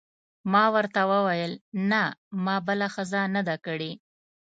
ما ورته وویل: نه، ما بله ښځه نه ده کړې.